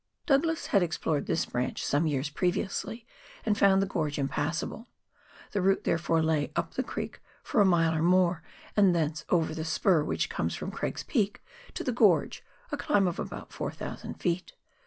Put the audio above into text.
Douglas had ex plored this branch some years previously, and found the gorge impassable ; the route, therefore, lay up the creek for a mile or more, and thence over the spur which comes from Craig's Peak to the gorge, a climb of about 4,000 ft.